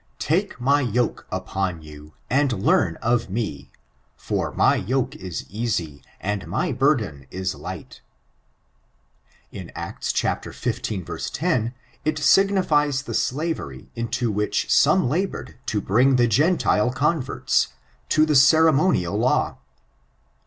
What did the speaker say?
Take my yoke upon you, and learn of me for my yoke is easy, and my burden is light.'^ In Acts xv. 10, it signifies the slavery into which some labored to bring the Gentile converts, to the ceremonial law.